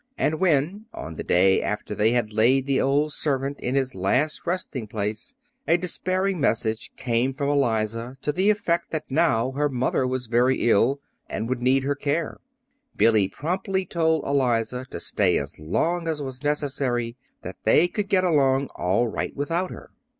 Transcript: And when on the day after they had laid the old servant in his last resting place a despairing message came from Eliza to the effect that now her mother was very ill, and would need her care, Billy promptly told Eliza to stay as long as was necessary; that they could get along all right without her.